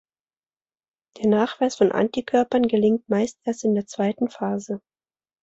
Der Nachweis von Antikörpern gelingt meist erst in der zweiten Phase.